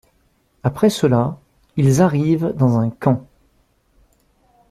Après cela, ils arrivent dans un camp.